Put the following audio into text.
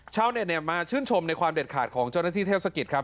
เช้าเนี้ยเนี่ยมาชึ้นชมในความเด็ดขาดของเจ้าหน้าที่เทพศกิตครับ